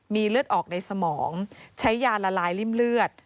มีเลือดออกในสมองใช้ยาละลายริ่มเลือด